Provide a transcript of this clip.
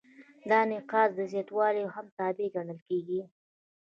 دا د تقاضا د زیاتوالي هم تابع ګڼل کیږي.